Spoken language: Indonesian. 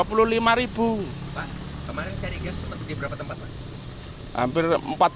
pak kemarin cari gas di berapa tempat pak